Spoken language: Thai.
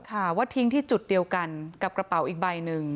ค่ะว่าทิ้งที่จุดเดียวกันกับกระเป๋าอีกใบหนึ่ง